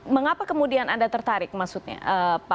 mengapa kemudian anda tertarik maksudnya